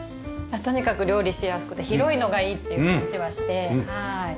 とにかく料理しやすくて広いのがいいっていう話はしてはい。